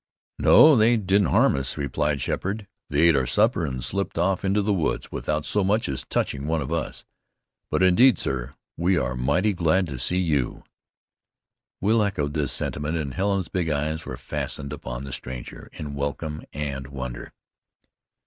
"No, they didn't harm us," replied Sheppard. "They ate our supper, and slipped off into the woods without so much as touching one of us. But, indeed, sir, we are mighty glad to see you." Will echoed this sentiment, and Helen's big eyes were fastened upon the stranger in welcome and wonder.